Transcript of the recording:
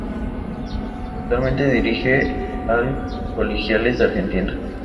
Actualmente dirige al Colegiales de Argentina.